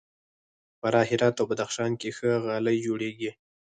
په فراه، هرات او بدخشان کې ښه غالۍ جوړیږي.